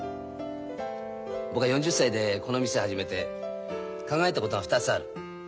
僕は４０歳でこの店始めて考えたことが２つある。